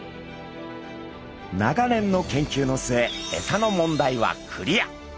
長年の研究の末エサの問題はクリア。